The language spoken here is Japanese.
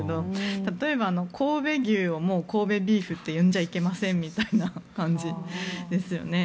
例えば神戸牛を神戸ビーフって呼んじゃいけませんみたいな感じですよね。